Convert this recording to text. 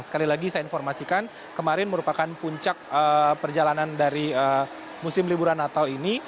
sekali lagi saya informasikan kemarin merupakan puncak perjalanan dari musim liburan natal ini